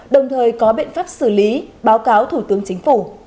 đồng thời có biện pháp xử lý báo cáo thủ tướng chính phủ